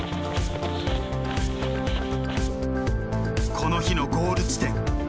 この日のゴール地点。